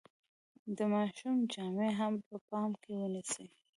د ماشوم جامې هم په پام کې ونیسئ.